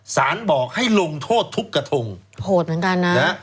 สารบอกให้ลงโทษทุกกระทงโหดเหมือนกันนะ